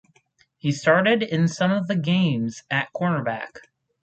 He started in some of the games at cornerback.